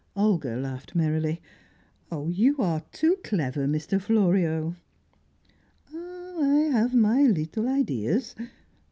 Olga laughed merrily. "Oh, you are too clever, Mr. Florio!" "Oh, I have my little ideas.